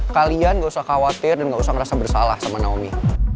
kalian gak usah khawatir dan gak usah ngerasa bersalah sama naomi